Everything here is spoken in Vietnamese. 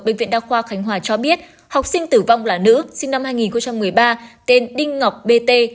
bệnh viện đa khoa khánh hòa cho biết học sinh tử vong là nữ sinh năm hai nghìn một mươi ba tên đinh ngọc bt